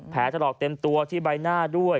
ถลอกเต็มตัวที่ใบหน้าด้วย